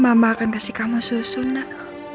mama akan kasih kamu susu nak